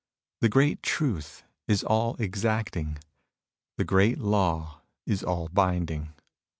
The great Truth is all exacting. The great Law is all binding.